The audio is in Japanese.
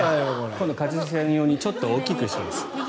今度、一茂さん用にちょっと大きくします。